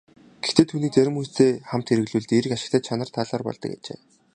Гэхдээ түүнийг зарим хүнстэй хамт хэрэглэвэл дээрх ашигтай чанар талаар болдог ажээ.